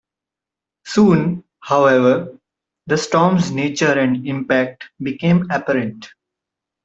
Soon, however, the storm's nature and impact became apparent.